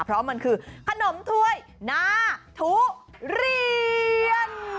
เพราะมันคือขนมถ้วยหน้าทุเรียน